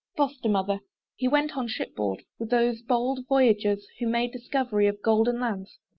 FOSTER MOTHER. He went on ship board With those bold voyagers, who made discovery Of golden lands.